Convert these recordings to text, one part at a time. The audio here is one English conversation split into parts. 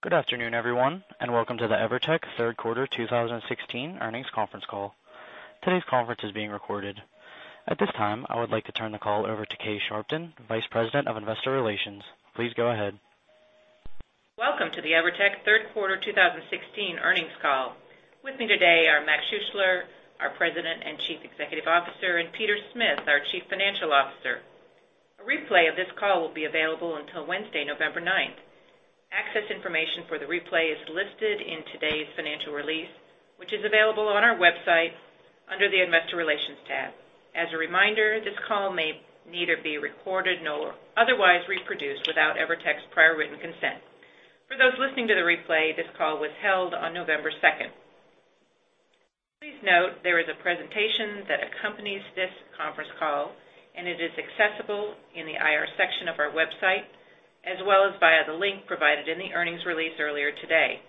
Good afternoon, everyone, welcome to the EVERTEC third quarter 2016 earnings conference call. Today's conference is being recorded. At this time, I would like to turn the call over to Kay Sharpton, Vice President of Investor Relations. Please go ahead. Welcome to the EVERTEC third quarter 2016 earnings call. With me today are Morgan Schuessler, our President and Chief Executive Officer, and Peter Smith, our Chief Financial Officer. A replay of this call will be available until Wednesday, November ninth. Access information for the replay is listed in today's financial release, which is available on our website under the Investor Relations tab. As a reminder, this call may neither be recorded nor otherwise reproduced without EVERTEC's prior written consent. For those listening to the replay, this call was held on November second. Please note there is a presentation that accompanies this conference call, and it is accessible in the IR section of our website, as well as via the link provided in the earnings release earlier today.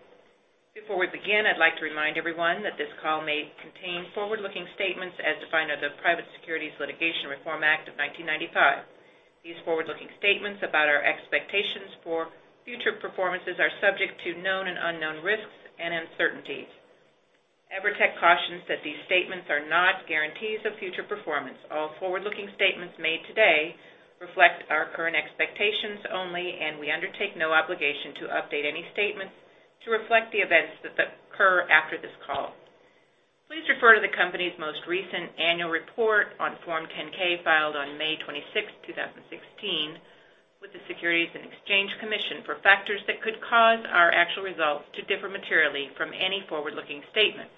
Before we begin, I'd like to remind everyone that this call may contain forward-looking statements as defined by the Private Securities Litigation Reform Act of 1995. These forward-looking statements about our expectations for future performances are subject to known and unknown risks and uncertainties. EVERTEC cautions that these statements are not guarantees of future performance. All forward-looking statements made today reflect our current expectations only, and we undertake no obligation to update any statements to reflect the events that occur after this call. Please refer to the company's most recent annual report on Form 10-K filed on May 26, 2016, with the Securities and Exchange Commission for factors that could cause our actual results to differ materially from any forward-looking statement.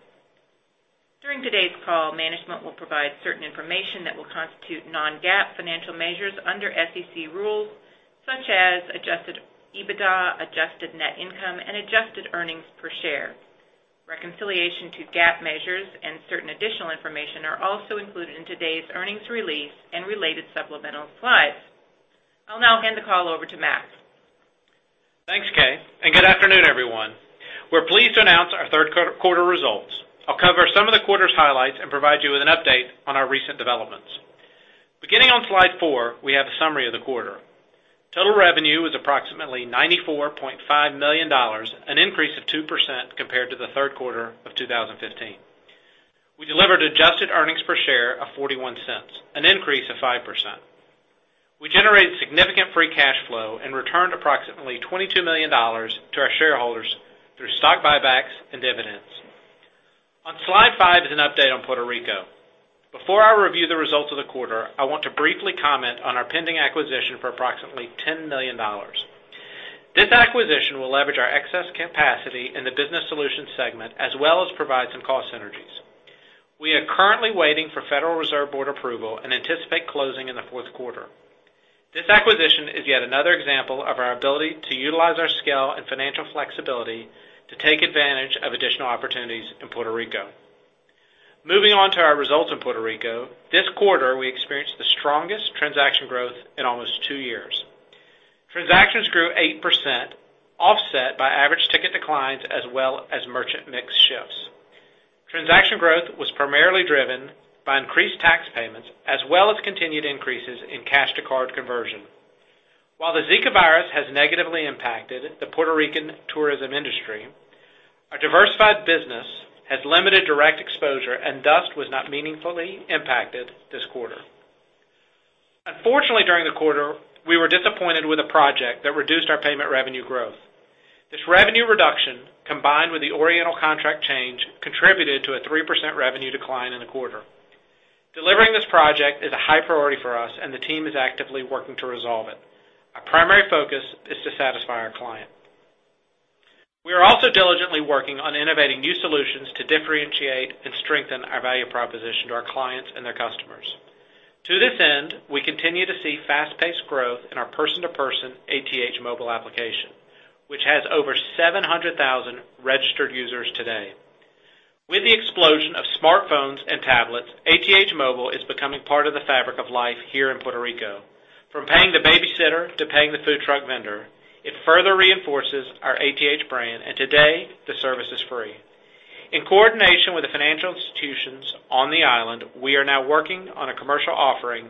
During today's call, management will provide certain information that will constitute non-GAAP financial measures under SEC rules, such as adjusted EBITDA, adjusted net income, and adjusted earnings per share. Reconciliation to GAAP measures and certain additional information are also included in today's earnings release and related supplemental slides. I'll now hand the call over to Max. Thanks, Kay, and good afternoon, everyone. We're pleased to announce our third quarter results. I'll cover some of the quarter's highlights and provide you with an update on our recent developments. Beginning on slide four, we have a summary of the quarter. Total revenue was approximately $94.5 million, an increase of 2% compared to the third quarter of 2015. We delivered adjusted earnings per share of $0.41, an increase of 5%. We generated significant free cash flow and returned approximately $22 million to our shareholders through stock buybacks and dividends. On slide five is an update on Puerto Rico. Before I review the results of the quarter, I want to briefly comment on our pending acquisition for approximately $10 million. This acquisition will leverage our excess capacity in the business solutions segment, as well as provide some cost synergies. We are currently waiting for Federal Reserve Board approval and anticipate closing in the fourth quarter. This acquisition is yet another example of our ability to utilize our scale and financial flexibility to take advantage of additional opportunities in Puerto Rico. Moving on to our results in Puerto Rico, this quarter, we experienced the strongest transaction growth in almost two years. Transactions grew 8%, offset by average ticket declines, as well as merchant mix shifts. Transaction growth was primarily driven by increased tax payments, as well as continued increases in cash-to-card conversion. While the Zika virus has negatively impacted the Puerto Rican tourism industry, our diversified business has limited direct exposure and thus was not meaningfully impacted this quarter. Unfortunately, during the quarter, we were disappointed with a project that reduced our payment revenue growth. This revenue reduction, combined with the Oriental contract change, contributed to a 3% revenue decline in the quarter. Delivering this project is a high priority for us, and the team is actively working to resolve it. Our primary focus is to satisfy our client. We are also diligently working on innovating new solutions to differentiate and strengthen our value proposition to our clients and their customers. To this end, we continue to see fast-paced growth in our person-to-person ATH Móvil application, which has over 700,000 registered users today. With the explosion of smartphones and tablets, ATH Móvil is becoming part of the fabric of life here in Puerto Rico. From paying the babysitter to paying the food truck vendor, it further reinforces our ATH brand, and today, the service is free. In coordination with the financial institutions on the island, we are now working on a commercial offering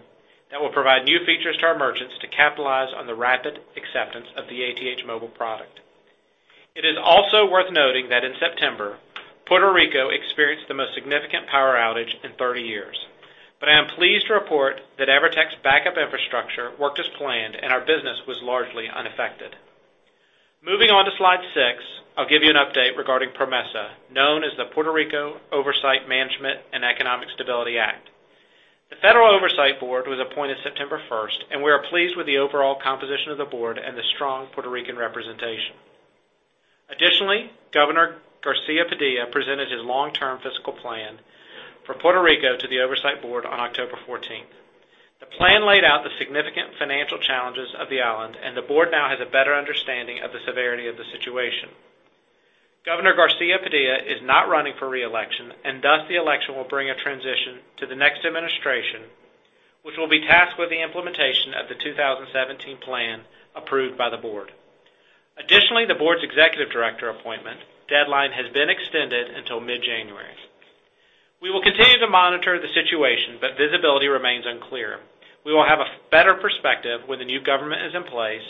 that will provide new features to our merchants to capitalize on the rapid acceptance of the ATH Móvil product. I am pleased to report that EVERTEC's backup infrastructure worked as planned, and our business was largely unaffected. Moving on to slide six, I'll give you an update regarding PROMESA, known as the Puerto Rico Oversight, Management, and Economic Stability Act. The federal oversight board was appointed September first, and we are pleased with the overall composition of the board and the strong Puerto Rican representation. Additionally, Governor Garcia Padilla presented his long-term fiscal plan for Puerto Rico to the oversight board on October 14th. The plan laid out the significant financial challenges of the island, and the board now has a better understanding of the severity of the situation. Governor Garcia Padilla is not running for re-election, and thus the election will bring a transition to the next administration, which will be tasked with the implementation of the 2017 plan approved by the board. Additionally, the board's executive director appointment deadline has been extended until mid-January. We will continue to monitor the situation Perspective when the new government is in place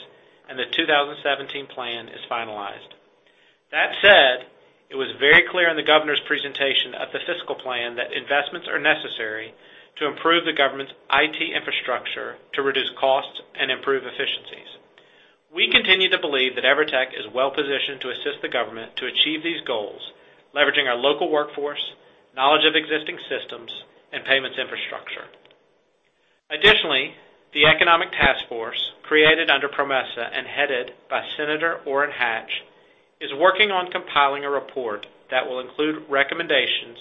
and the 2017 plan is finalized. That said, it was very clear in the governor's presentation of the fiscal plan that investments are necessary to improve the government's IT infrastructure to reduce costs and improve efficiencies. We continue to believe that EVERTEC is well-positioned to assist the government to achieve these goals, leveraging our local workforce, knowledge of existing systems, and payments infrastructure. Additionally, the economic task force created under PROMESA and headed by Senator Orrin Hatch, is working on compiling a report that will include recommendations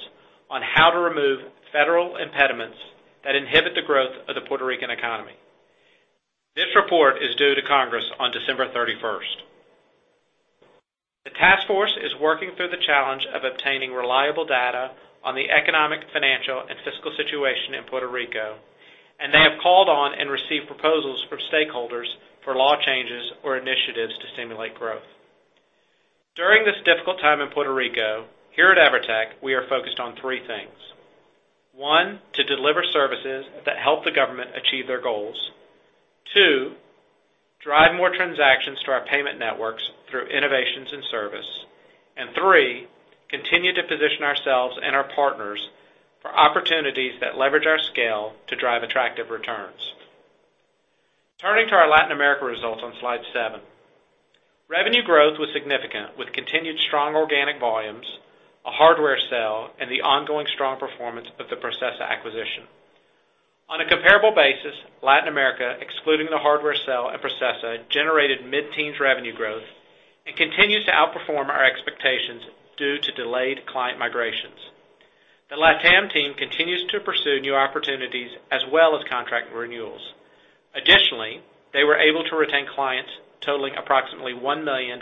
on how to remove federal impediments that inhibit the growth of the Puerto Rican economy. This report is due to Congress on December 31st. The task force is working through the challenge of obtaining reliable data on the economic, financial, and fiscal situation in Puerto Rico, and they have called on and received proposals from stakeholders for law changes or initiatives to stimulate growth. During this difficult time in Puerto Rico, here at EVERTEC, we are focused on three things. One, to deliver services that help the government achieve their goals. Two, drive more transactions to our payment networks through innovations in service. Three, continue to position ourselves and our partners for opportunities that leverage our scale to drive attractive returns. Turning to our Latin America results on slide seven. Revenue growth was significant with continued strong organic volumes, a hardware sale, and the ongoing strong performance of the Processa acquisition. On a comparable basis, Latin America, excluding the hardware sale and Processa, generated mid-teens revenue growth and continues to outperform our expectations due to delayed client migrations. The LatAm team continues to pursue new opportunities as well as contract renewals. Additionally, they were able to retain clients totaling approximately $1 million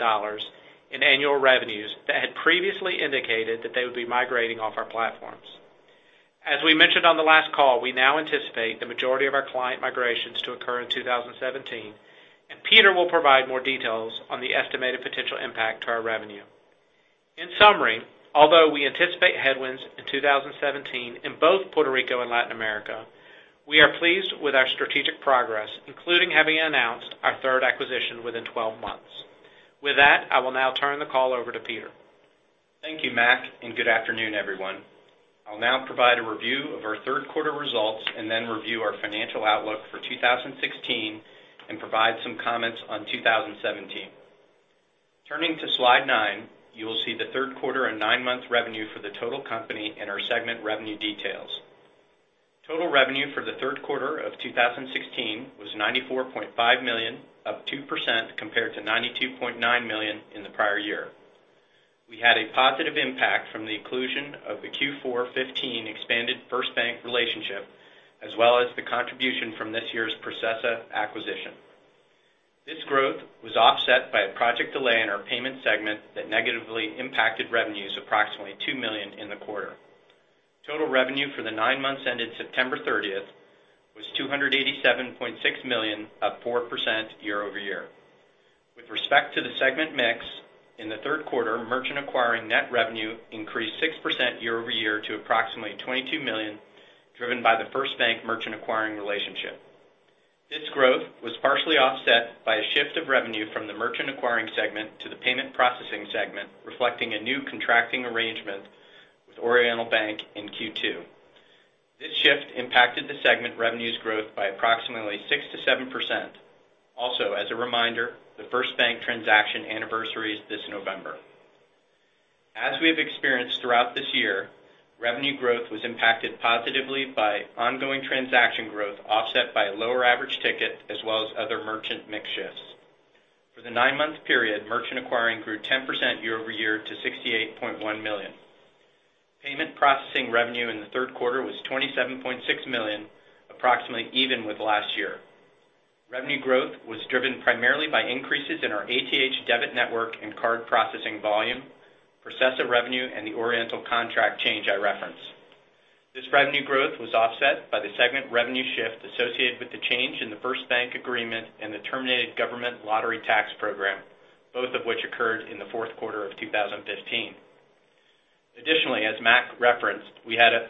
in annual revenues that had previously indicated that they would be migrating off our platforms. As we mentioned on the last call, we now anticipate the majority of our client migrations to occur in 2017, and Peter will provide more details on the estimated potential impact to our revenue. In summary, although we anticipate headwinds in 2017 in both Puerto Rico and Latin America, we are pleased with our strategic progress, including having announced our third acquisition within 12 months. With that, I will now turn the call over to Peter. Thank you, Max. Good afternoon, everyone. I'll now provide a review of our third quarter results and then review our financial outlook for 2016 and provide some comments on 2017. Turning to slide nine, you will see the third quarter and nine-month revenue for the total company and our segment revenue details. Total revenue for the third quarter of 2016 was $94.5 million, up 2% compared to $92.9 million in the prior year. We had a positive impact from the inclusion of the Q4 2015 expanded FirstBank relationship, as well as the contribution from this year's Processa acquisition. This growth was offset by a project delay in our payment segment that negatively impacted revenues approximately $2 million in the quarter. Total revenue for the nine months ended September 30th was $287.6 million, up 4% year-over-year. With respect to the segment mix, in the third quarter, merchant acquiring net revenue increased 6% year-over-year to approximately $22 million, driven by the FirstBank merchant acquiring relationship. This growth was partially offset by a shift of revenue from the merchant acquiring segment to the payment processing segment, reflecting a new contracting arrangement with Oriental Bank in Q2. This shift impacted the segment revenue's growth by approximately 6%-7%. Also, as a reminder, the FirstBank transaction anniversary is this November. As we have experienced throughout this year, revenue growth was impacted positively by ongoing transaction growth offset by a lower average ticket as well as other merchant mix shifts. For the nine-month period, merchant acquiring grew 10% year-over-year to $68.1 million. Payment processing revenue in the third quarter was $27.6 million, approximately even with last year. Revenue growth was driven primarily by increases in our ATH debit network and card processing volume, Processa revenue, and the Oriental contract change I referenced. This revenue growth was offset by the segment revenue shift associated with the change in the FirstBank agreement and the terminated government lottery tax program, both of which occurred in the fourth quarter of 2015. Additionally, as Max referenced, we had a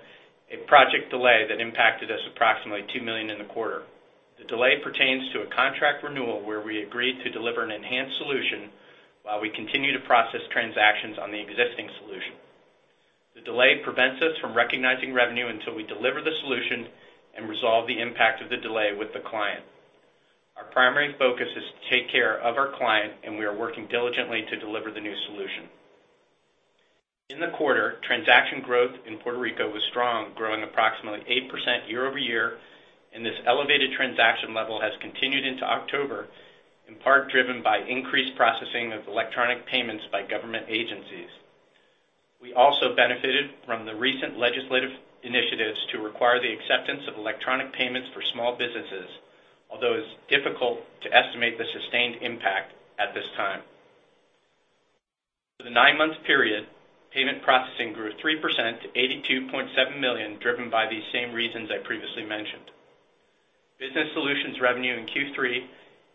project delay that impacted us approximately $2 million in the quarter. The delay pertains to a contract renewal where we agreed to deliver an enhanced solution while we continue to process transactions on the existing solution. The delay prevents us from recognizing revenue until we deliver the solution and resolve the impact of the delay with the client. Our primary focus is to take care of our client. We are working diligently to deliver the new solution. In the quarter, transaction growth in Puerto Rico was strong, growing approximately 8% year-over-year. This elevated transaction level has continued into October, in part driven by increased processing of electronic payments by government agencies. We also benefited from the recent legislative initiatives to require the acceptance of electronic payments for small businesses, although it's difficult to estimate the sustained impact at this time. For the nine-month period, payment processing grew 3% to $82.7 million, driven by these same reasons I previously mentioned. Business solutions revenue in Q3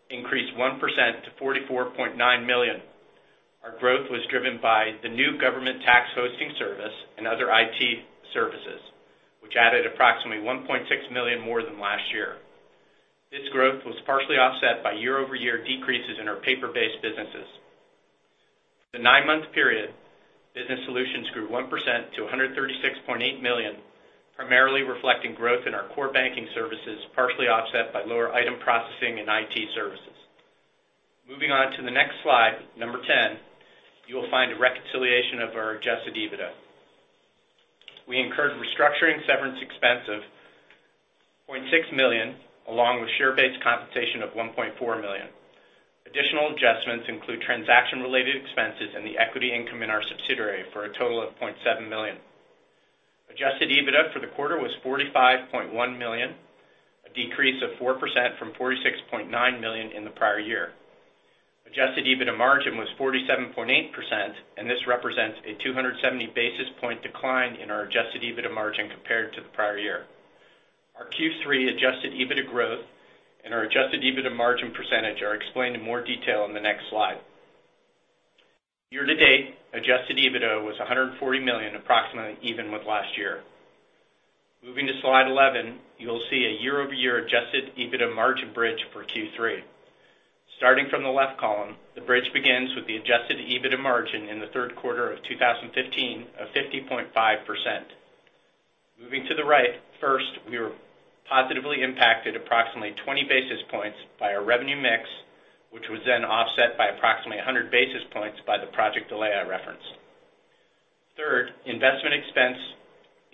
increased 1% to $44.9 million. Our growth was driven by the new government tax hosting service and other IT services, which added approximately $1.6 million more than last year. This growth was partially offset by year-over-year decreases in our paper-based businesses. The nine-month period business solutions grew 1% to $136.8 million, primarily reflecting growth in our core banking services, partially offset by lower item processing and IT services. Moving on to the next slide 10, you will find a reconciliation of our adjusted EBITDA. We incurred restructuring severance expense of $0.6 million, along with share-based compensation of $1.4 million. Additional adjustments include transaction-related expenses and the equity income in our subsidiary for a total of $0.7 million. Adjusted EBITDA for the quarter was $45.1 million, a decrease of 4% from $46.9 million in the prior year. Adjusted EBITDA margin was 47.8%. This represents a 270 basis point decline in our adjusted EBITDA margin compared to the prior year. Our Q3 adjusted EBITDA growth and our adjusted EBITDA margin percentage are explained in more detail in the next slide. Year-to-date, adjusted EBITDA was $140 million, approximately even with last year. Moving to slide 11, you will see a year-over-year adjusted EBITDA margin bridge for Q3. Starting from the left column, the bridge begins with the adjusted EBITDA margin in the third quarter of 2015 of 50.5%. Moving to the right, first, we were positively impacted approximately 20 basis points by our revenue mix, which was then offset by approximately 100 basis points by the project delay I referenced. Third, investment expense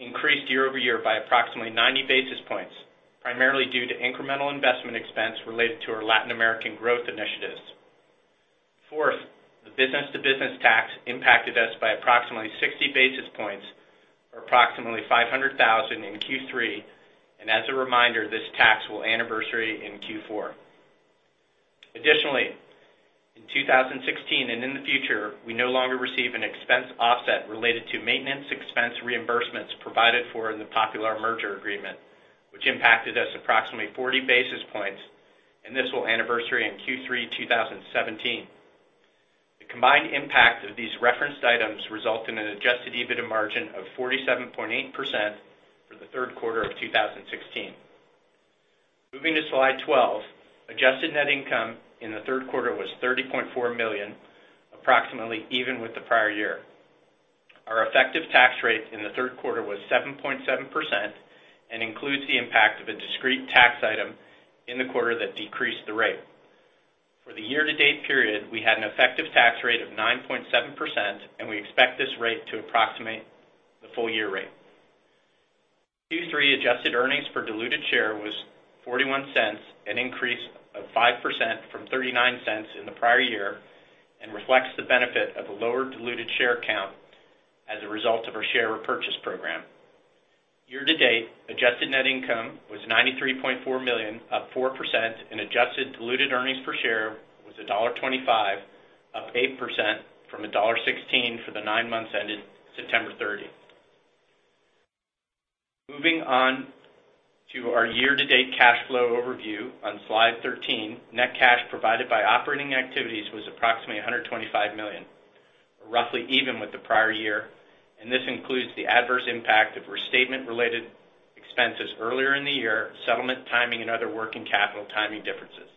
increased year-over-year by approximately 90 basis points, primarily due to incremental investment expense related to our Latin American growth initiatives. Fourth, the business-to-business tax impacted us by approximately 60 basis points, or approximately $500,000 in Q3. As a reminder, this tax will anniversary in Q4. Additionally, in 2016 and in the future, we no longer receive an expense offset related to maintenance expense reimbursements provided for in the Popular merger agreement, which impacted us approximately 40 basis points. This will anniversary in Q3 2017. The combined impact of these referenced items result in an adjusted EBITDA margin of 47.8% for the third quarter of 2016. Moving to slide 12, adjusted net income in the third quarter was $30.4 million, approximately even with the prior year. Our effective tax rate in the third quarter was 7.7% and includes the impact of a discrete tax item in the quarter that decreased the rate. For the year-to-date period, we had an effective tax rate of 9.7%. We expect this rate to approximate the full-year rate. Q3 adjusted earnings per diluted share was $0.41, an increase of 5% from $0.39 in the prior year. This reflects the benefit of a lower diluted share count as a result of our share repurchase program. Year-to-date, adjusted net income was $93.4 million, up 4%, and adjusted diluted earnings per share was $1.25, up 8% from $1.16 for the nine months ended September 30th. Moving on to our year-to-date cash flow overview on slide 13, net cash provided by operating activities was approximately $125 million, roughly even with the prior year. This includes the adverse impact of restatement-related expenses earlier in the year, settlement timing, and other working capital timing differences.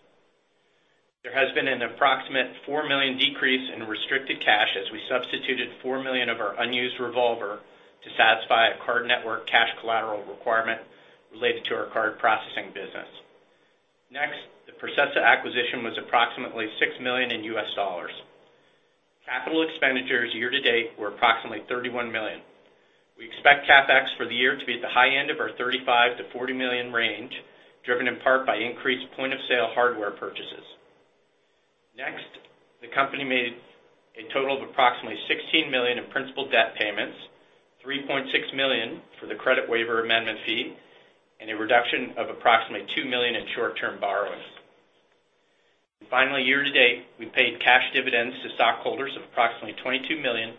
There has been an approximate $4 million decrease in restricted cash as we substituted $4 million of our unused revolver to satisfy a card network cash collateral requirement related to our card processing business. The Processa acquisition was approximately $6 million. Capital expenditures year-to-date were approximately $31 million. We expect CapEx for the year to be at the high end of our $35 million-$40 million range, driven in part by increased point-of-sale hardware purchases. The company made a total of approximately $16 million in principal debt payments, $3.6 million for the credit waiver amendment fee, and a reduction of approximately $2 million in short-term borrowings. Finally, year-to-date, we paid cash dividends to stockholders of approximately $22 million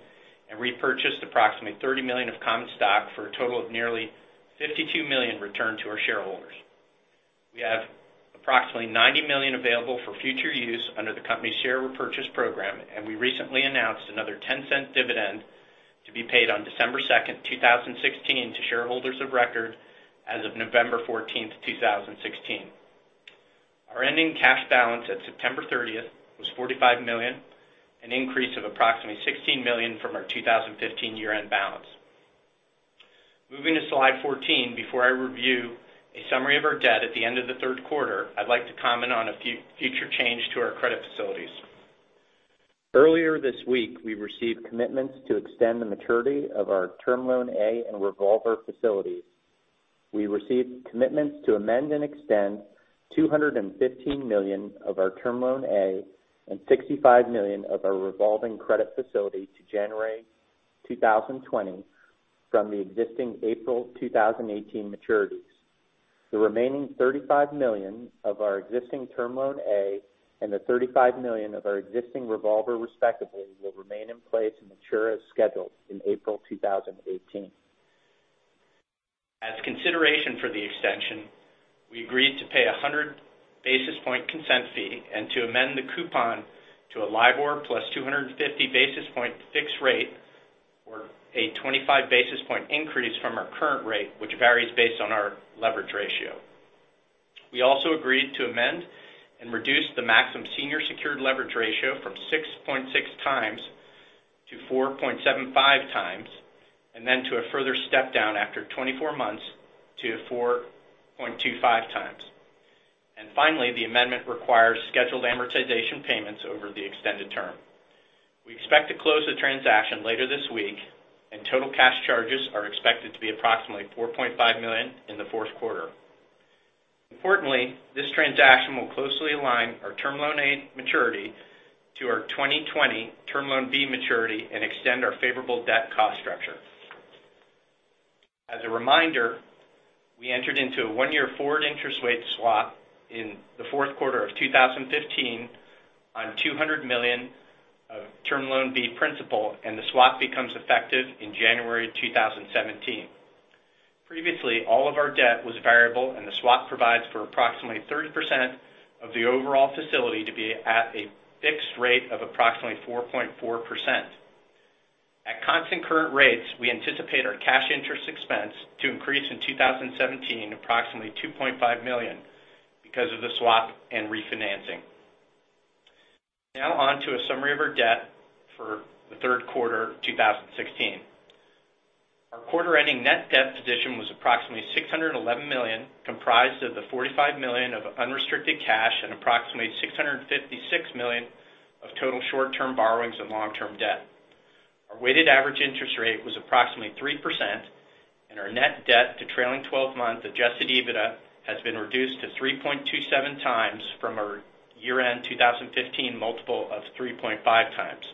and repurchased approximately $30 million of common stock, for a total of nearly $52 million returned to our shareholders. We have approximately $90 million available for future use under the company's share repurchase program, we recently announced another $0.10 dividend to be paid on December 2nd, 2016 to shareholders of record as of November 14th, 2016. Our ending cash balance at September 30th was $45 million, an increase of approximately $16 million from our 2015 year-end balance. Moving to slide 14, before I review a summary of our debt at the end of the third quarter, I'd like to comment on a future change to our credit facilities. Earlier this week, we received commitments to extend the maturity of our Term Loan A and revolver facilities. We received commitments to amend and extend $215 million of our Term Loan A and $65 million of our revolving credit facility to January 2020 from the existing April 2018 maturities. The remaining $35 million of our existing Term Loan A and the $35 million of our existing revolver, respectively, will remain in place and mature as scheduled in April 2018. As consideration for the extension, we agreed to pay 100 basis point consent fee and to amend the coupon to a LIBOR plus 250 basis point fixed rate or a 25 basis point increase from our current rate, which varies based on our leverage ratio. We also agreed to amend and reduce the maximum senior secured leverage ratio from 6.6 times to 4.75 times, then to a further step down after 24 months to 4.25 times. Finally, the amendment requires scheduled amortization payments over the extended term. We expect to close the transaction later this week, total cash charges are expected to be approximately $4.5 million in the fourth quarter. Importantly, this transaction will closely align our Term Loan A maturity to our 2020 Term Loan B maturity and extend our favorable debt cost structure. As a reminder, we entered into a one-year forward interest rate swap in the fourth quarter of 2015 on $200 million of Term Loan B principal, the swap becomes effective in January 2017. Previously, all of our debt was variable, the swap provides for approximately 30% of the overall facility to be at a fixed rate of approximately 4.4%. At constant current rates, we anticipate our cash interest expense to increase in 2017 approximately $2.5 million because of the swap and refinancing. Now on to a summary of our debt for the third quarter of 2016. Our quarter ending net debt position was approximately $611 million, comprised of the $45 million of unrestricted cash and approximately $656 million of total short-term borrowings and long-term debt. Our weighted average interest rate was approximately 3%, and our net debt to trailing 12-month adjusted EBITDA has been reduced to 3.27 times from our year-end 2015 multiple of 3.5 times.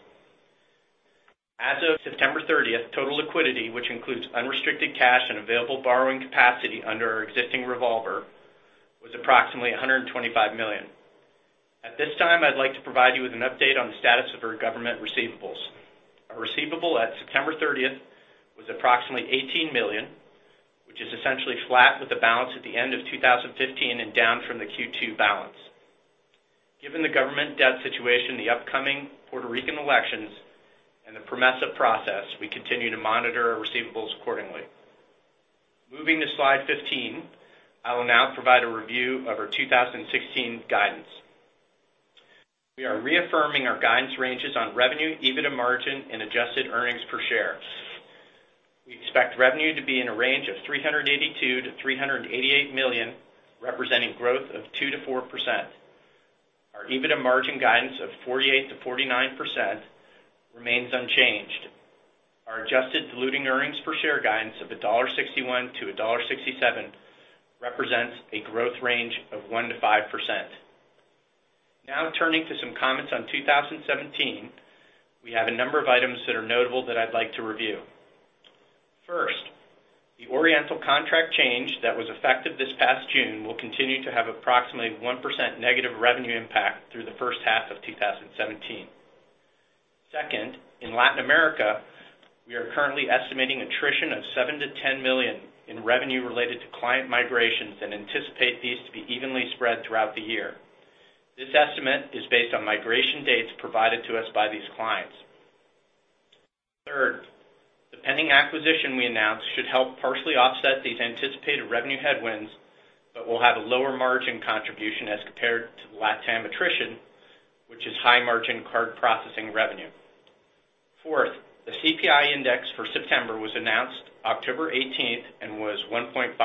As of September 30th, total liquidity, which includes unrestricted cash and available borrowing capacity under our existing revolver, was approximately $125 million. At this time, I'd like to provide you with an update on the status of our government receivables. Our receivable at September 30th was approximately $18 million, which is essentially flat with the balance at the end of 2015 and down from the Q2 balance. Given the government debt situation, the upcoming Puerto Rican elections, and the PROMESA process, we continue to monitor our receivables accordingly. Moving to slide 15, I will now provide a review of our 2016 guidance. We are reaffirming our guidance ranges on revenue, EBITDA margin, and adjusted earnings per share. We expect revenue to be in a range of $382 million-$388 million, representing growth of 2%-4%. Our EBITDA margin guidance of 48%-49% remains unchanged. Our adjusted diluting earnings per share guidance of $1.61 to $1.67 represents a growth range of 1%-5%. Turning to some comments on 2017. We have a number of items that are notable that I'd like to review. First, the Oriental contract change that was effective this past June will continue to have approximately 1% negative revenue impact through the first half of 2017. Second, in Latin America, we are currently estimating attrition of $7 million-$10 million in revenue related to client migrations and anticipate these to be evenly spread throughout the year. This estimate is based on migration dates provided to us by these clients. Third, the pending acquisition we announced should help partially offset these anticipated revenue headwinds but will have a lower margin contribution as compared to the LatAm attrition, which is high margin card processing revenue. Fourth, the CPI index for September was announced October 18th and was 1.5%,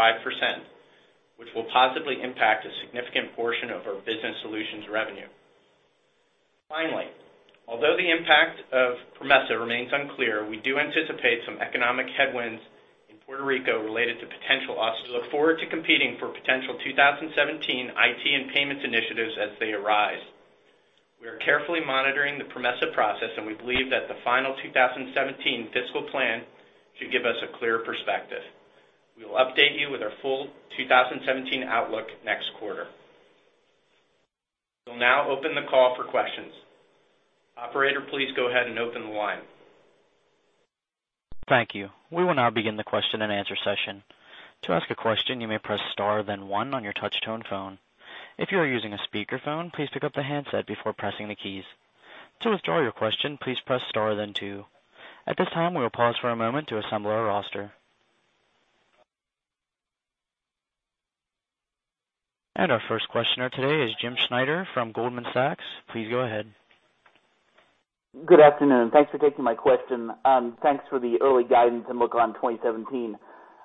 which will positively impact a significant portion of our business solutions revenue. Finally, although the impact of PROMESA remains unclear, we do anticipate some economic headwinds in Puerto Rico related to potential offsets. We look forward to competing for potential 2017 IT and payments initiatives as they arise. We are carefully monitoring the PROMESA process, and we believe that the final 2017 fiscal plan should give us a clear perspective. We will update you with our full 2017 outlook next quarter. We'll open the call for questions. Operator, please go ahead and open the line. Thank you. We will now begin the question and answer session. To ask a question, you may press star then one on your touchtone phone. If you are using a speakerphone, please pick up the handset before pressing the keys. To withdraw your question, please press star then two. At this time, we will pause for a moment to assemble our roster. Our first questioner today is Jim Schneider from Goldman Sachs. Please go ahead. Good afternoon. Thanks for taking my question. Thanks for the early guidance and look on 2017.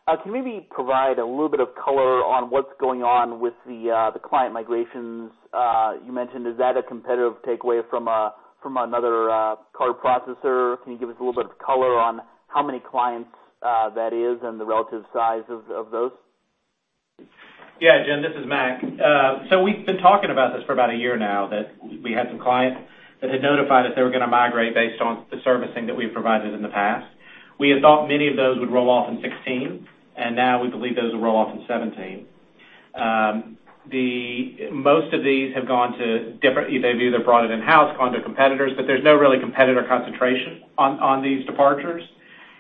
Can you maybe provide a little bit of color on what's going on with the client migrations you mentioned? Is that a competitive takeaway from another card processor? Can you give us a little bit of color on how many clients that is and the relative size of those? Yeah, Jim, this is Max. We've been talking about this for about a year now, that we had some clients that had notified us they were going to migrate based on the servicing that we've provided in the past. We had thought many of those would roll off in 2016. Now we believe those will roll off in 2017. Most of these have either brought it in-house, gone to competitors, but there's no really competitor concentration on these departures.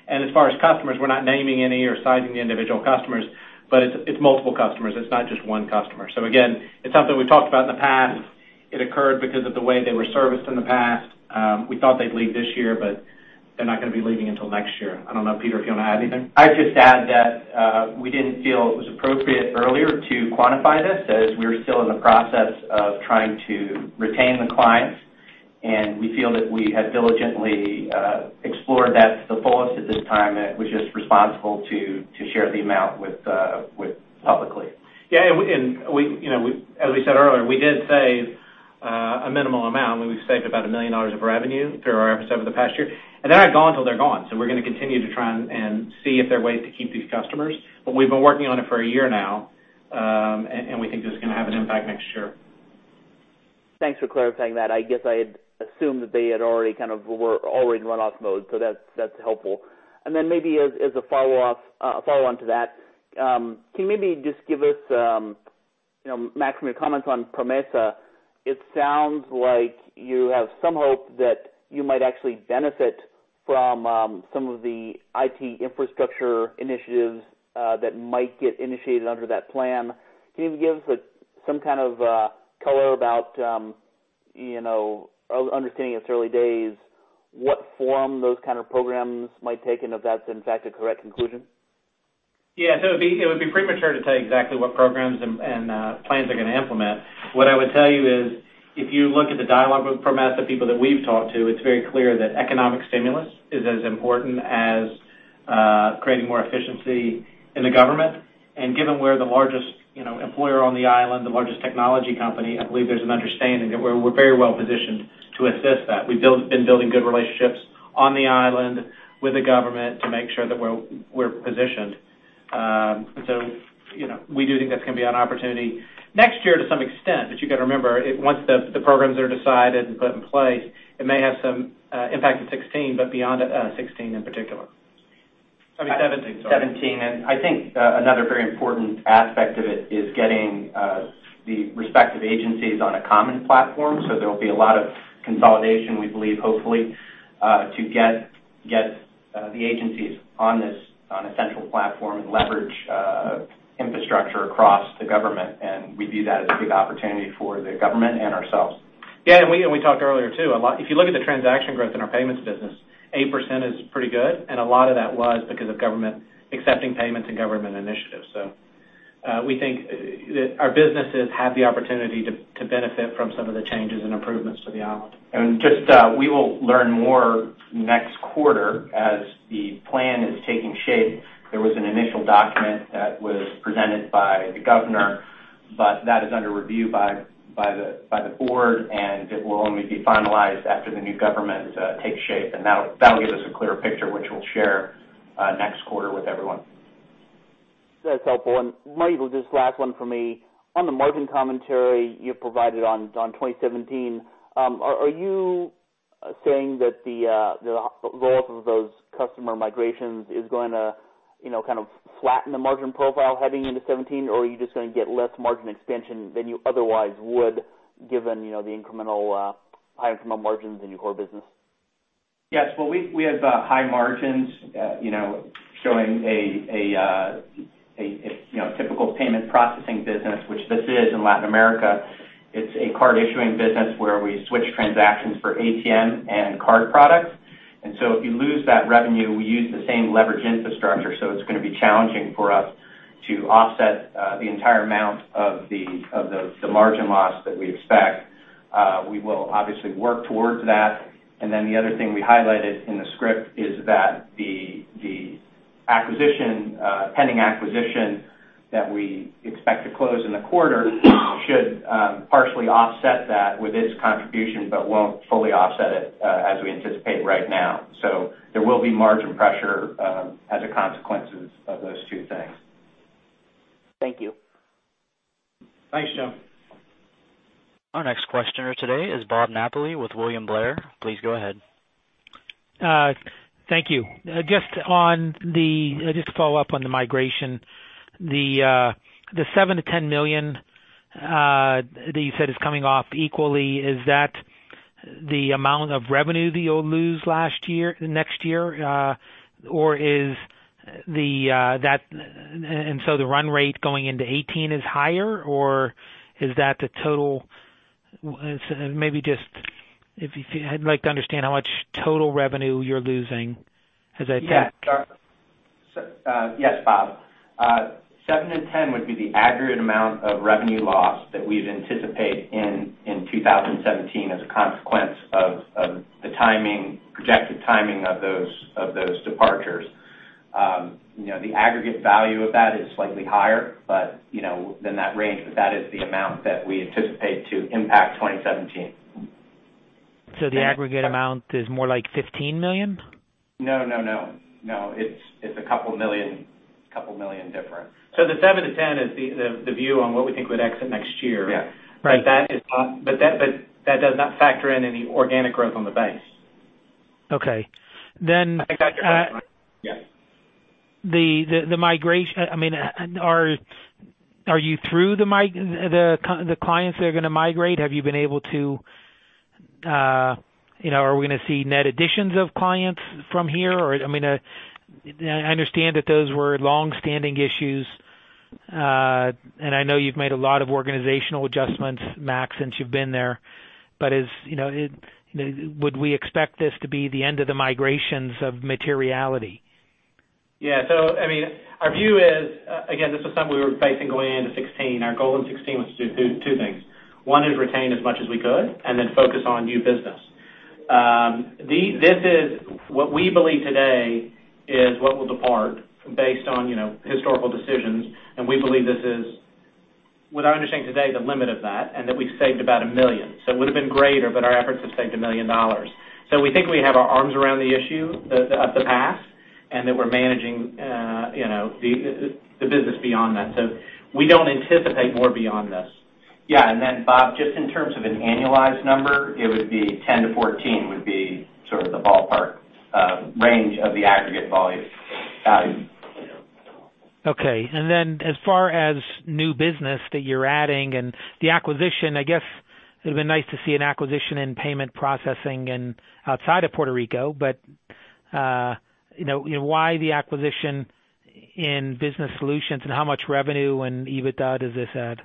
As far as customers, we're not naming any or citing the individual customers, but it's multiple customers. It's not just one customer. Again, it's something we've talked about in the past. It occurred because of the way they were serviced in the past. We thought they'd leave this year. They're not going to be leaving until next year. I don't know, Peter, if you want to add anything. I'd just add that we didn't feel it was appropriate earlier to quantify this, as we were still in the process of trying to retain the clients. We feel that we have diligently explored that to the fullest at this time. It was just responsible to share the amount publicly. Yeah. As we said earlier, we did save a minimal amount. We've saved about $1 million of revenue through our efforts over the past year. They're not gone until they're gone. We're going to continue to try and see if there are ways to keep these customers, but we've been working on it for a year now. We think this is going to have an impact next year. Thanks for clarifying that. I guess I had assumed that they already were in run-off mode, that's helpful. Then maybe as a follow-on to that, can you maybe just give us, Max, from your comments on PROMESA, it sounds like you have some hope that you might actually benefit from some of the IT infrastructure initiatives that might get initiated under that plan. Can you give us some kind of color about, understanding it's early days, what form those kind of programs might take, and if that's, in fact, a correct conclusion? Yeah. It would be premature to tell you exactly what programs and plans they're going to implement. What I would tell you is if you look at the dialogue with PROMESA people that we've talked to, it's very clear that economic stimulus is as important as creating more efficiency in the government. Given we're the largest employer on the island, the largest technology company, I believe there's an understanding that we're very well positioned to assist that. We've been building good relationships on the island with the government to make sure that we're positioned. We do think that's going to be an opportunity next year to some extent. You got to remember, once the programs are decided and put in place, it may have some impact in 2016, but beyond 2016 in particular. I mean 2017, sorry. 2017. I think another very important aspect of it is getting the respective agencies on a common platform. There'll be a lot of consolidation, we believe, hopefully to get the agencies on a central platform and leverage infrastructure across the government. We view that as a big opportunity for the government and ourselves. We talked earlier too, if you look at the transaction growth in our payments business, 8% is pretty good, and a lot of that was because of government accepting payment and government initiatives. We think our businesses have the opportunity to benefit from some of the changes and improvements to the island. We will learn more next quarter as the plan is taking shape. There was an initial document that was presented by the governor, that is under review by the board, it will only be finalized after the new government takes shape. That will give us a clearer picture, which we'll share next quarter with everyone. That's helpful. Maybe just last one from me. On the margin commentary you provided on 2017, are you saying that the loss of those customer migrations is going to flatten the margin profile heading into 2017? Are you just going to get less margin expansion than you otherwise would given the higher incremental margins in your core business? Yes. Well, we have high margins showing a typical payment processing business, which this is in Latin America. It's a card-issuing business where we switch transactions for ATM and card products. If you lose that revenue, we use the same leverage infrastructure. It's going to be challenging for us to offset the entire amount of the margin loss that we expect. We will obviously work towards that. The other thing we highlighted in the script is that the pending acquisition that we expect to close in the quarter should partially offset that with its contribution but won't fully offset it as we anticipate right now. There will be margin pressure as a consequence of those two things. Thank you. Thanks, Jim. Our next questioner today is Bob Napoli with William Blair. Please go ahead. Thank you. Just to follow up on the migration. The $7 million-$10 million that you said is coming off equally, is that the amount of revenue that you'll lose next year? The run rate going into 2018 is higher? Is that the total? I'd like to understand how much total revenue you're losing. Yes, Bob. $7 million-$10 million would be the aggregate amount of revenue loss that we'd anticipate in 2017 as a consequence of the projected timing of those departures. The aggregate value of that is slightly higher than that range, but that is the amount that we anticipate to impact 2017. The aggregate amount is more like $15 million? No. It's a couple million different. The $7 million-$10 million is the view on what we think would exit next year. Right. That does not factor in any organic growth on the base. Okay. I think I addressed that. Yeah. The migration. Are you through the clients that are going to migrate? Are we going to see net additions of clients from here? I understand that those were longstanding issues, and I know you've made a lot of organizational adjustments, Max, since you've been there. Would we expect this to be the end of the migrations of materiality? Our view is, again, this is something we were facing going into 2016. Our goal in 2016 was to do two things. One is retain as much as we could, and then focus on new business. What we believe today is what will depart based on historical decisions, and we believe this is, with our understanding today, the limit of that, and that we've saved about $1 million. It would've been greater, but our efforts have saved $1 million. We think we have our arms around the issue of the past, and that we're managing the business beyond that. We don't anticipate more beyond this. Bob, just in terms of an annualized number, it would be 10-14 would be sort of the ballpark range of the aggregate volume value. As far as new business that you're adding and the acquisition, I guess it would've been nice to see an acquisition in payment processing and outside of Puerto Rico. Why the acquisition in business solutions and how much revenue and EBITDA does this add?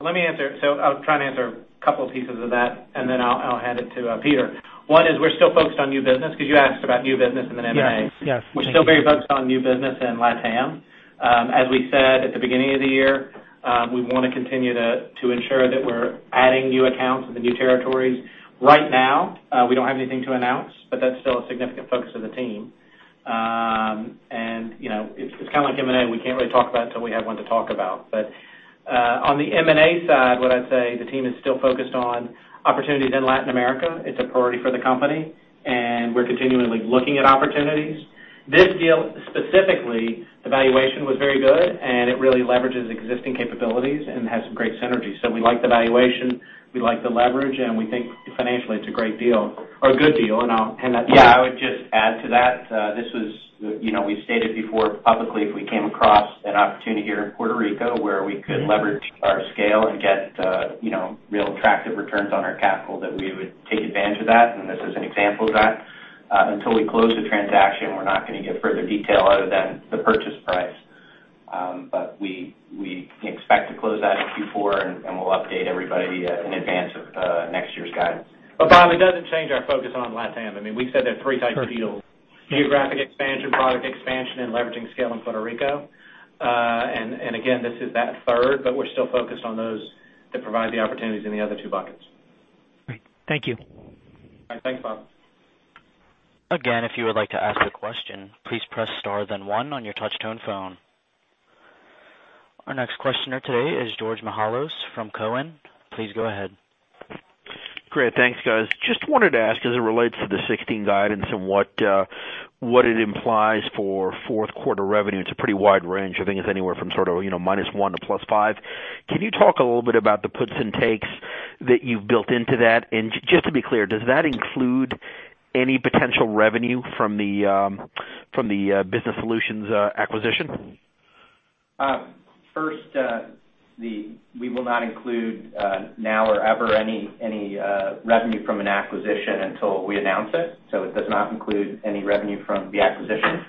Let me answer. I'll try and answer a couple pieces of that, and then I'll hand it to Peter. One is we're still focused on new business because you asked about new business in the M&A. Yes. We're still very focused on new business in LATAM. As we said at the beginning of the year, we want to continue to ensure that we're adding new accounts with the new territories. Right now, we don't have anything to announce, but that's still a significant focus of the team. It's kind of like M&A, we can't really talk about it until we have one to talk about. On the M&A side, what I'd say, the team is still focused on opportunities in Latin America. It's a priority for the company, we're continually looking at opportunities. This deal specifically, the valuation was very good, and it really leverages existing capabilities and has some great synergies. We like the valuation, we like the leverage, and we think financially it's a great deal or a good deal. I'll hand that to Peter. I would just add to that, we've stated before publicly if we came across an opportunity here in Puerto Rico where we could leverage our scale and get real attractive returns on our capital, that we would take advantage of that, this is an example of that. Until we close the transaction, we're not going to give further detail other than the purchase price. We expect to close that in Q4, we'll update everybody in advance of next year's guidance. Bob, it doesn't change our focus on LATAM. We said there are 3 types of deals. Sure. Geographic expansion, product expansion, leveraging scale in Puerto Rico. Again, this is that third, we're still focused on those that provide the opportunities in the other two buckets. Great. Thank you. Thanks, Bob. Again, if you would like to ask a question, please press star then one on your touch-tone phone. Our next questioner today is George Mihalos from Cowen. Please go ahead. Great. Thanks, guys. Just wanted to ask, as it relates to the 2016 guidance and what it implies for fourth quarter revenue, it's a pretty wide range. I think it's anywhere from sort of -1% to +5%. Can you talk a little bit about the puts and takes that you've built into that? Just to be clear, does that include any potential revenue from the business solutions acquisition? First, we will not include, now or ever, any revenue from an acquisition until we announce it. It does not include any revenue from the acquisition.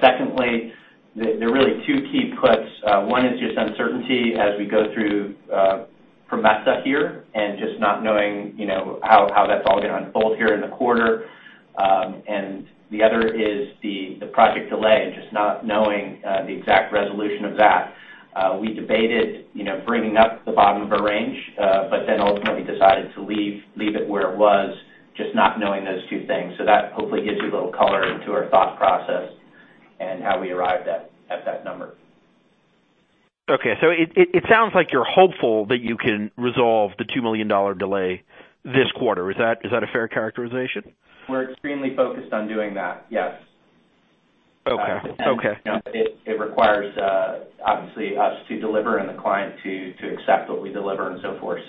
Secondly, there are really two key puts. One is just uncertainty as we go through PROMESA here and just not knowing how that's all going to unfold here in the quarter. The other is the project delay, just not knowing the exact resolution of that. We debated bringing up the bottom of a range, ultimately decided to leave it where it was, just not knowing those two things. That hopefully gives you a little color into our thought process and how we arrived at that number. Okay. It sounds like you're hopeful that you can resolve the $2 million delay this quarter. Is that a fair characterization? We're extremely focused on doing that, yes. Okay. It requires, obviously, us to deliver and the client to accept what we deliver and so forth.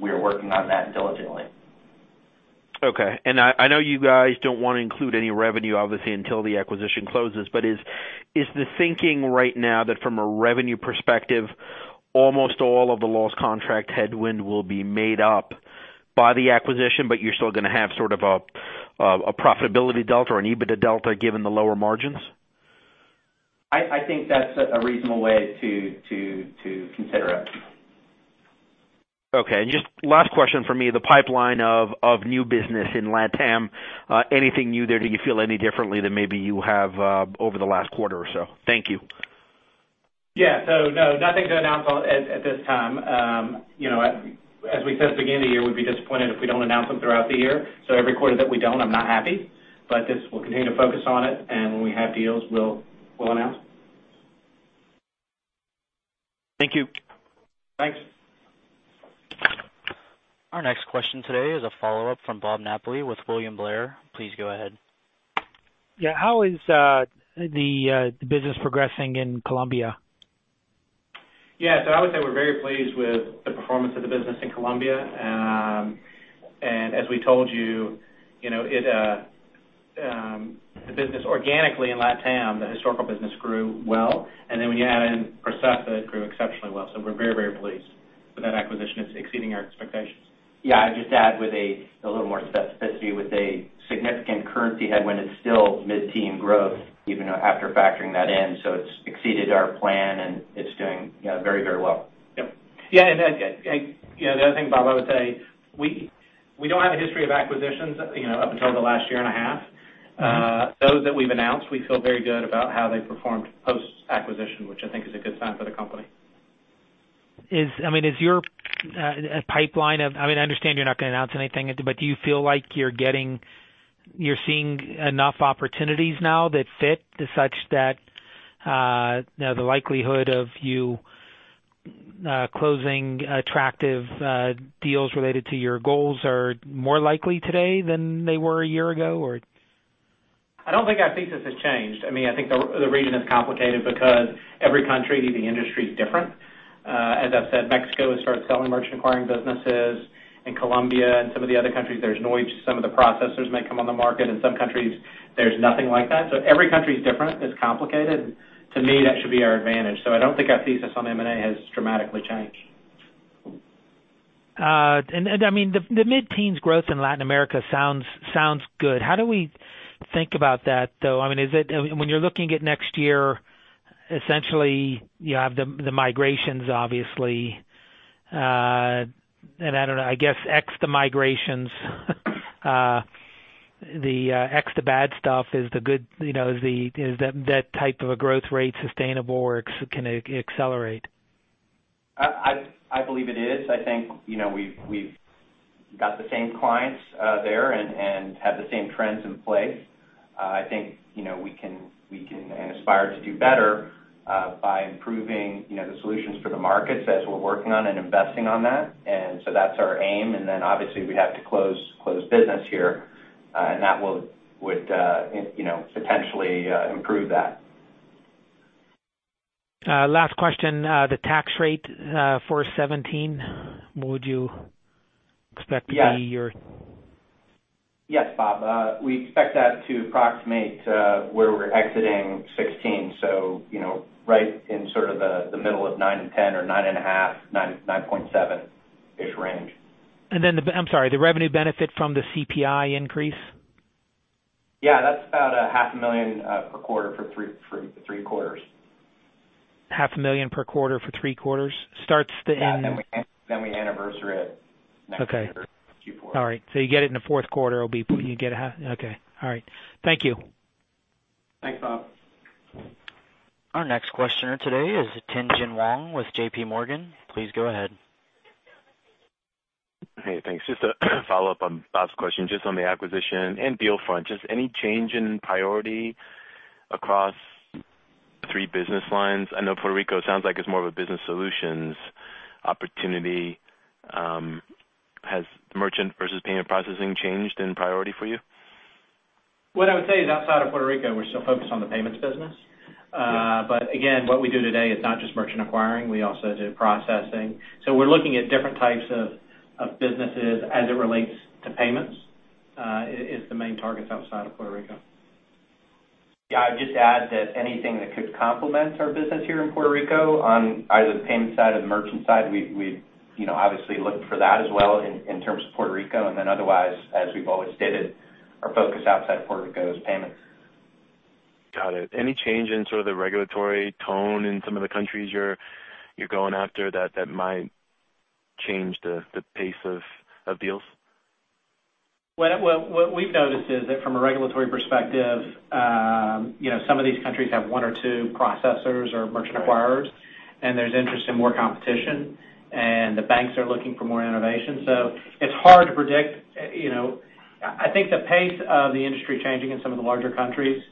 We are working on that diligently. Okay. I know you guys don't want to include any revenue, obviously, until the acquisition closes, but is the thinking right now that from a revenue perspective, almost all of the lost contract headwind will be made up by the acquisition, but you're still going to have sort of a profitability delta or an EBITDA delta given the lower margins? I think that's a reasonable way to consider it. Okay. Just last question from me, the pipeline of new business in LATAM, anything new there? Do you feel any differently than maybe you have over the last quarter or so? Thank you. Yeah. No, nothing to announce on at this time. As we said at the beginning of the year, we'd be disappointed if we don't announce them throughout the year. Every quarter that we don't, I'm not happy. We'll continue to focus on it, and when we have deals, we'll announce. Thank you. Thanks. Our next question today is a follow-up from Bob Napoli with William Blair. Please go ahead. Yeah. How is the business progressing in Colombia? Yes. I would say we're very pleased with the performance of the business in Colombia. As we told you, the business organically in LatAm, the historical business grew well, and then when you add in Processa, it grew exceptionally well. We're very pleased with that acquisition. It's exceeding our expectations. Yeah. I'd just add with a little more specificity, with a significant currency headwind, it's still mid-teen growth even after factoring that in. It's exceeded our plan and it's doing very well. Yep. Yeah. The other thing, Bob, I would say, we don't have a history of acquisitions up until the last year and a half. Those that we've announced, we feel very good about how they've performed post-acquisition, which I think is a good sign for the company. Is your pipeline of? I understand you're not going to announce anything, do you feel like you're seeing enough opportunities now that fit to such that the likelihood of you closing attractive deals related to your goals are more likely today than they were a year ago? I don't think our thesis has changed. I think the region is complicated because every country, the industry is different. As I've said, Mexico has started selling merchant acquiring businesses. In Colombia and some of the other countries, there's noise. Some of the processors may come on the market. In some countries, there's nothing like that. Every country is different. It's complicated. To me, that should be our advantage. I don't think our thesis on M&A has dramatically changed. The mid-teens growth in Latin America sounds good. How do we think about that, though? When you're looking at next year, essentially, you have the migrations, obviously. I don't know, I guess X the migrations, X the bad stuff. Is that type of a growth rate sustainable or can it accelerate? I believe it is. I think we've got the same clients there and have the same trends in place. I think we can aspire to do better by improving the solutions for the markets as we're working on and investing on that. That's our aim. Obviously, we have to close business here. That would potentially improve that. Last question, the tax rate for 2017, what would you expect to be your- Yes, Bob, we expect that to approximate where we're exiting 2016. Right in sort of the middle of nine and 10 or 9.5, 9.7-ish range. I'm sorry, the revenue benefit from the CPI increase? Yeah. That's about a half a million per quarter for three quarters. Half a million per quarter for three quarters? Yeah. We anniversary it next year, Q4. Okay. All right. You get it in the fourth quarter. Okay. All right. Thank you. Thanks, Bob. Our next questioner today is Tien-Tsin Huang with J.P. Morgan. Please go ahead. Hey, thanks. Just to follow up on Bob's question, just on the acquisition and deal front, just any change in priority across three business lines? I know Puerto Rico sounds like it's more of a business solutions opportunity. Has merchant versus payment processing changed in priority for you? What I would say is outside of Puerto Rico, we're still focused on the payments business. Yeah. Again, what we do today is not just merchant acquiring. We also do processing. We're looking at different types of businesses as it relates to payments, is the main targets outside of Puerto Rico. Yeah. I'd just add that anything that could complement our business here in Puerto Rico on either the payment side or the merchant side, we'd obviously look for that as well in terms of Puerto Rico. Otherwise, as we've always stated, our focus outside Puerto Rico is payments. Got it. Any change in sort of the regulatory tone in some of the countries you're going after that might change the pace of deals? What we've noticed is that from a regulatory perspective, some of these countries have one or two processors or merchant acquirers, and there's interest in more competition, and the banks are looking for more innovation. It's hard to predict. I think the pace of the industry changing in some of the larger countries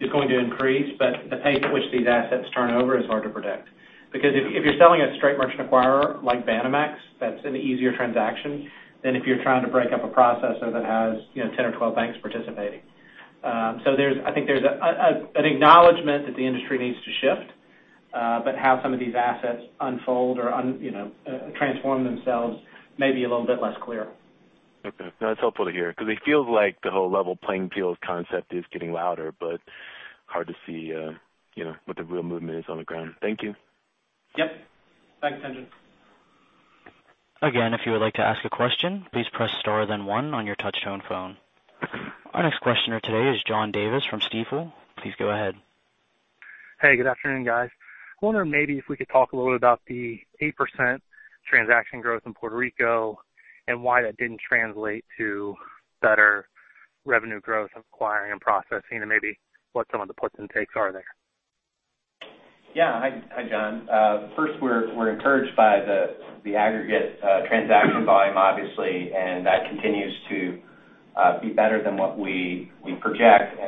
is going to increase. The pace at which these assets turn over is hard to predict because if you're selling a straight merchant acquirer like Banamex, that's an easier transaction than if you're trying to break up a processor that has 10 or 12 banks participating. I think there's an acknowledgment that the industry needs to shift, but how some of these assets unfold or transform themselves may be a little bit less clear. Okay. That's helpful to hear because it feels like the whole level playing field concept is getting louder, but hard to see what the real movement is on the ground. Thank you. Yep. Thanks, Tien-Tsin. If you would like to ask a question, please press star then one on your touch-tone phone. Our next questioner today is John Davis from Stifel. Please go ahead. Hey, good afternoon, guys. I wonder maybe if we could talk a little bit about the 8% transaction growth in Puerto Rico and why that didn't translate to better revenue growth of acquiring and processing and maybe what some of the puts and takes are there. Yeah. Hi, John. First, we're encouraged by the aggregate transaction volume, obviously, and that continues to be better than what we project.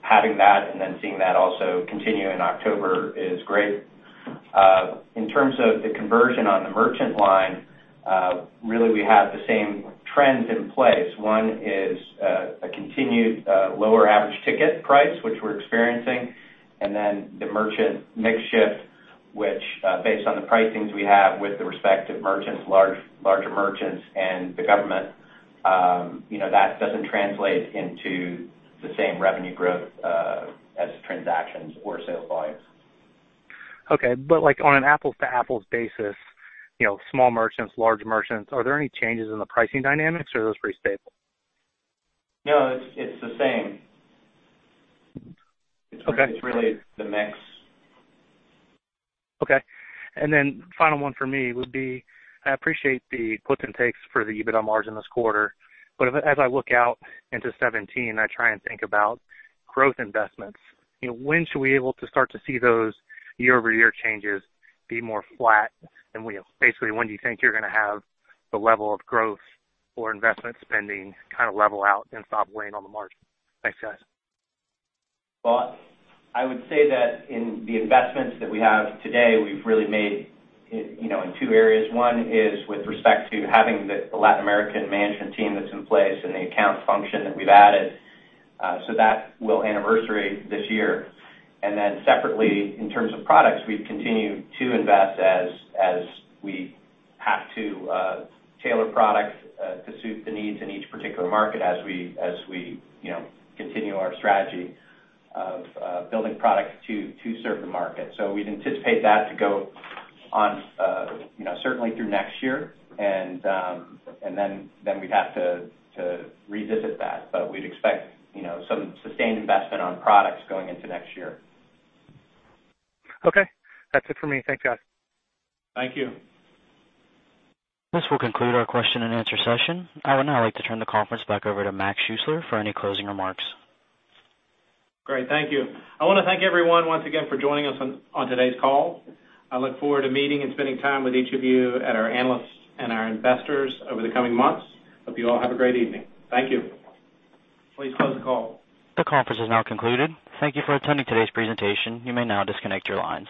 Having that and then seeing that also continue in October is great. In terms of the conversion on the merchant line Really, we have the same trends in place. One is a continued lower average ticket price, which we're experiencing, and then the merchant mix shift, which based on the pricings we have with the respective merchants, larger merchants and the government, that doesn't translate into the same revenue growth as transactions or sales volumes. Okay. On an apples-to-apples basis, small merchants, large merchants, are there any changes in the pricing dynamics or are those pretty stable? No, it's the same. Okay. It's really the mix. Okay. Then final one for me would be, I appreciate the puts and takes for the EBITDA margin this quarter, but as I look out into 2017, I try and think about growth investments. When should we able to start to see those year-over-year changes be more flat than we have? Basically, when do you think you're going to have the level of growth or investment spending kind of level out and stop weighing on the margin? Thanks, guys. Well, I would say that in the investments that we have today, we've really made in two areas. One is with respect to having the Latin American management team that's in place and the account function that we've added. That will anniversary this year. Then separately, in terms of products, we've continued to invest as we have to tailor products to suit the needs in each particular market as we continue our strategy of building products to serve the market. We'd anticipate that to go on certainly through next year, and then we'd have to revisit that. We'd expect some sustained investment on products going into next year. Okay. That's it for me. Thanks, guys. Thank you. This will conclude our question and answer session. I would now like to turn the conference back over to Max Schuessler for any closing remarks. Great. Thank you. I want to thank everyone once again for joining us on today's call. I look forward to meeting and spending time with each of you and our analysts and our investors over the coming months. Hope you all have a great evening. Thank you. Please close the call. The conference is now concluded. Thank you for attending today's presentation. You may now disconnect your lines.